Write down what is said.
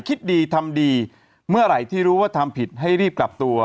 คิดดีทำดีเมื่อไหร่ที่รู้ว่าทำผิดให้รีบกลับตัว